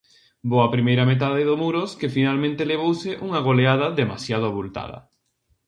Boa primeira metade do Muros que finalmente levouse unha goleada demasiado avultada.